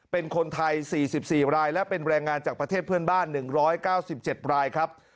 เป็นคนไทย๔๔รายและเป็นแรงงานจากประเทศเพื่อนบ้าน๑๙๗รายครับ